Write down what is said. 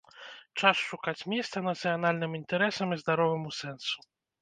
Час шукаць месца нацыянальным інтарэсам і здароваму сэнсу.